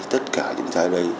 tất cả những cái đây